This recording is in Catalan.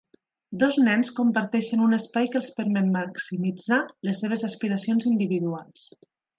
Dos nens comparteixen un espai que els permet maximitzar les seves aspiracions individuals